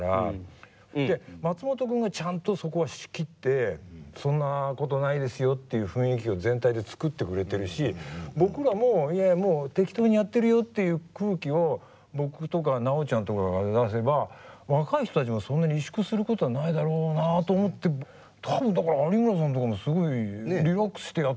で松本君がちゃんとそこは仕切ってそんなことないですよっていう雰囲気を全体で作ってくれてるし僕らもいやいやもう適当にやってるよっていう空気を僕とか南朋ちゃんとかが出せば若い人たちもそんなに萎縮することはないだろうなと思って多分だから有村さんとかもすごいリラックスしてやってると思ってたから。